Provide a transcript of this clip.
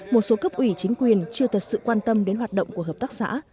một số cấp ủy chính quyền chưa thật sự quan tâm đến hoạt động của hợp tác xã